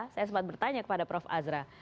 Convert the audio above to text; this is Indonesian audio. saya sempat bertanya kepada prof azra